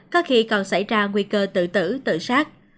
có khi còn xảy ra nguy cơ tự tử tự sát